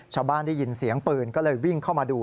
ได้ยินเสียงปืนก็เลยวิ่งเข้ามาดู